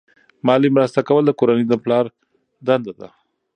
مالی مرسته کول د کورنۍ د پلار دنده ده.